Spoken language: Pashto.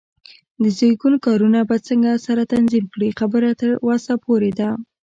د زېږون کارونه به څنګه سره تنظیم کړې؟ خبره تر وسه پورې ده.